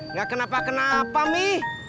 nggak kenapa kenapa mi